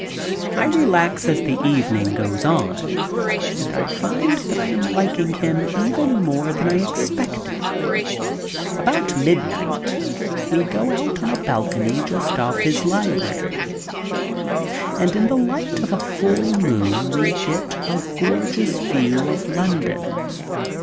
I relax as the evening goes on and I find that I am liking him even more than I expected. About midnight we go out on a balcony just off his library, and in the light of a full moon we get a gorgeous view of London.